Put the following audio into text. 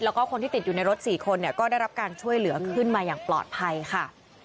แล้วก็คนที่ติดอยู่ในรถ๔คนก็ได้รับการช่วยเหลือขึ้นมาอย่างปลอดภัยค่ะ